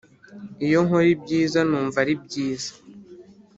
iyo nkora ibyiza, numva ari byiza.